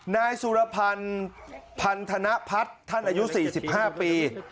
นายสุรพันธ์พันธนพัฒน์ท่านอายุ๔๕ปี